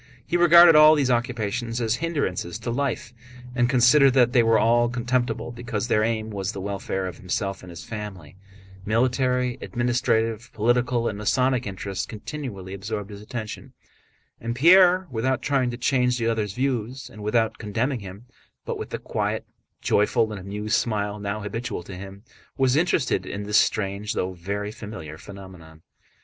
He regarded all these occupations as hindrances to life, and considered that they were all contemptible because their aim was the welfare of himself and his family. Military, administrative, political, and Masonic interests continually absorbed his attention. And Pierre, without trying to change the other's views and without condemning him, but with the quiet, joyful, and amused smile now habitual to him, was interested in this strange though very familiar phenomenon.